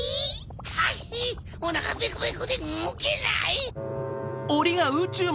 ハヒおなかペコペコでうごけない！